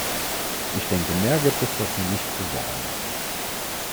Ich denke, mehr gibt es da nicht zu sagen.